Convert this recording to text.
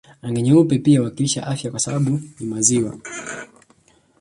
Rangi nyeupe pia huwakilisha afya kwa sababu ni maziwa